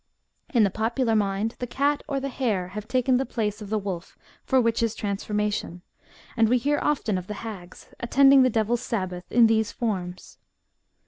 In the popular mind the cat or the hare have taken the place of the wolf for witches' transformation, and we hear often of the hags attending the devil's Sabbath in these forms.